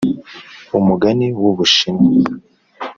umugani w'ubushinwa